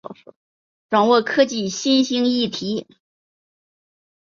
掌握科技新兴议题